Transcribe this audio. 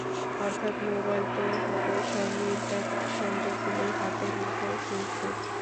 অর্থাৎ, মোবাইল তো হলোই, সঙ্গে ইন্টারনেট সংযোগ দিলেই হাতের মুঠোয় ফেসবুক।